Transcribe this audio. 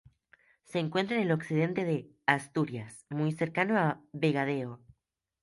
Se encuentra en el occidente de Asturias, muy cercano a Vegadeo.